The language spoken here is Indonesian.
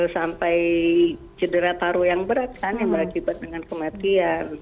sampai cedera paru yang berat kan yang berakibat dengan kematian